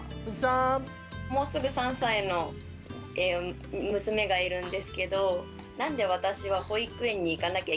もうすぐ３歳の娘がいるんですけど「なんで私は保育園に行かなきゃいけないの？」